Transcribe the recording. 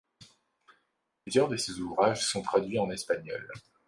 Plusieurs de ses ouvrages sont traduits en espagnol.